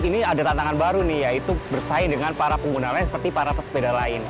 ini ada tantangan baru nih yaitu bersaing dengan para pengguna lain seperti para pesepeda lain